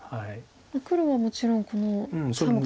黒はもちろんこの３目。